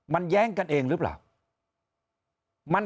มันแย้งกันเองหรือเปล่า